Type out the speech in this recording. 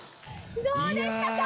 どうでしたか？